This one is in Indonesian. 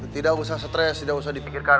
tidak usah stres tidak usah dipikirkan